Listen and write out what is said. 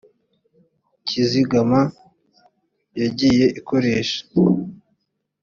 cy izigama yagiye ikoreshwa